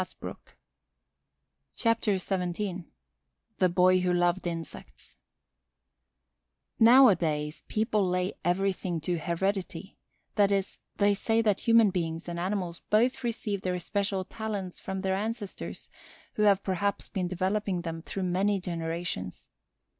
CHAPTER XVII THE BOY WHO LOVED INSECTS Nowadays, people lay everything to heredity; that is, they say that human beings and animals both receive their special talents from their ancestors, who have perhaps been developing them through many generations.